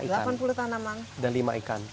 lima ikan dan ikannya juga bisa dimakan